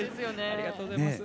ありがとうございます。